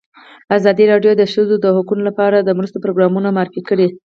ازادي راډیو د د ښځو حقونه لپاره د مرستو پروګرامونه معرفي کړي.